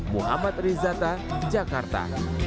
muhammad rizzata jakarta